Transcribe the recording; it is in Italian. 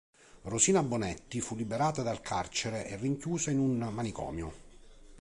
Rosina Bonetti fu liberata dal carcere e rinchiusa in un manicomio.